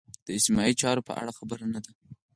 د اجتماعي چارو په اړه خبر نه دي.